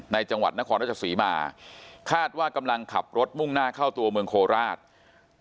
จังหวัดนครราชศรีมาคาดว่ากำลังขับรถมุ่งหน้าเข้าตัวเมืองโคราช